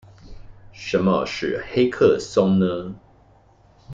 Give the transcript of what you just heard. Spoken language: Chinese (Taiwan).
什麼是黑客松呢？